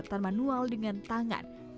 ada yang menginjilkan dengan karya dan karya